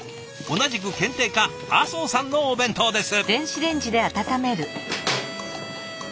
同じく検定課麻生さんのお弁当です。